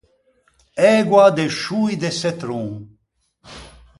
Ægua de scioî de çetron